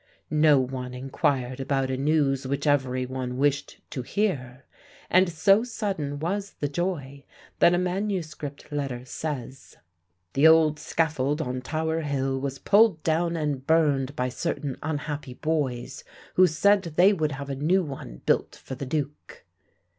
No one inquired about a news which every one wished to hear; and so sudden was the joy, that a MS. letter says, "the old scaffold on Tower hill was pulled down and burned by certain unhappy boys, who said they would have a new one built for the duke."